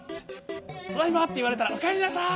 「ただいま」っていわれたら「おかえりなさい」。